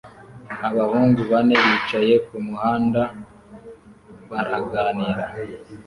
Abahungu bane bicaye kumuhanda baraganira